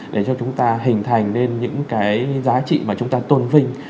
để cho chúng ta hình thành nên những cái giá trị mà chúng ta tôn vinh